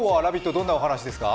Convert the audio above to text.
どんなお話ですか？